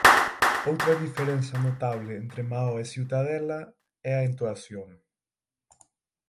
Outra diferenza notable entre Maó e Ciutadella é a entoación.